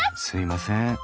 すいません。